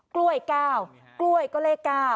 กล้วย๙กล้วยก็เลข๙